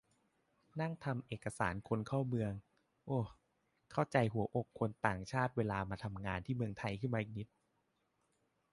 นั่งทำเอกสารคนเข้าเมือง โอ เข้าใจหัวอกคนต่างชาติเวลามาทำงานที่ไทยขึ้นมาอีกนิด